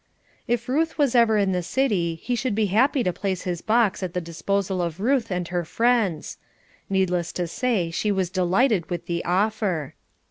If Ruth was ever in the city he should be happy to place his box at the disposal of Ruth and her friends. Needless to say that she was delighted with the offer.